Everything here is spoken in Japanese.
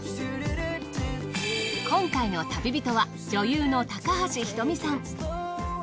今回の旅人は女優の高橋ひとみさん。